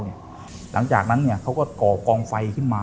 หลังจากนั้นเขาก็ก่อกองไฟขึ้นมา